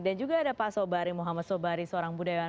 dan juga ada pak sobari muhammad sobari seorang budaya